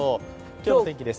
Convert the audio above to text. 今日の天気です。